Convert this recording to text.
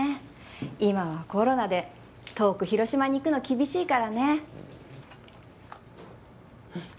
今はコロナで遠く広島に行くの厳しいからね。